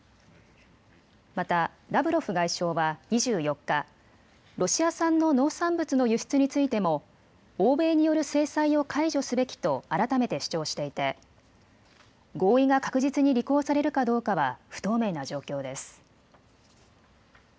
またラブロフ外相は２４日、ロシア産の農産物の輸出についても欧米による制裁を解除すべきと改めて主張していて合意が確実に履行されるかどうかは不透明な状況です。